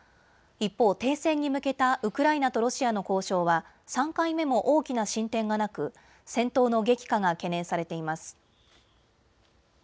一方、停戦に向けたウクライナとロシアの交渉は３回目も大きな進展がなく戦闘の激化が懸念されています。